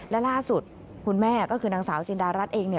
และล่าสุดคุณแม่ก็คือนางสาวจินดารัฐเอง